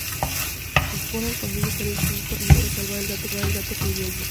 Spooner consigue salir justo a tiempo y logra salvar al gato que vivía allí.